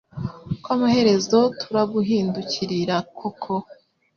Ko amaherezo turaguhindukirira koko,